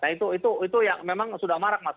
nah itu yang memang sudah marak mas